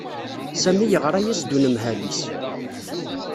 Sami yeɣra-as-d unemhal-is.